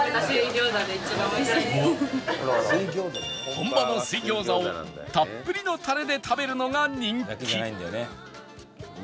本場の水餃子をたっぷりのタレで食べるのが人気！